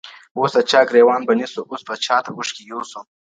اوس د چا ګرېوان به نیسو اوس به چاته اوښکي یوسو.